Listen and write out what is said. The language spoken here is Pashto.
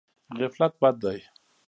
غفلت بد دی.